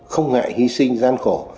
không ngại hy sinh gian khổ